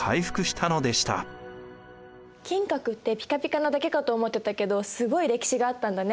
金閣ってピカピカなだけかと思ってたけどすごい歴史があったんだね。